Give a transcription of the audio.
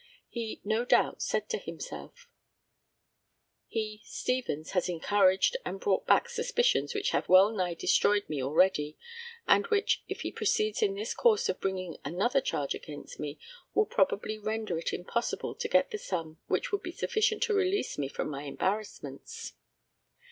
He, no doubt, said to himself, "He (Stevens) has encouraged and brought back suspicions which have well nigh destroyed me already, and which, if he proceeds in this course of bringing another charge against me, will probably render it impossible to get the sum which would be sufficient to release me from my embarrassments."